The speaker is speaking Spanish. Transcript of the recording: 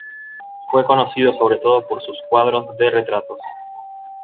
Fue conocido sobre todo por sus cuadros de retratos.